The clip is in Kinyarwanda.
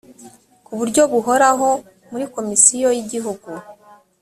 ku buryo buhoraho muri komisiyo y igihugu